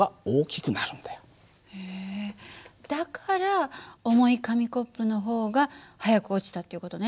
だから重い紙コップの方が速く落ちたっていう事ね。